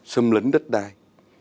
xâm lấn đất đai